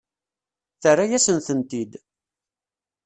Terra-yasen-tent-id.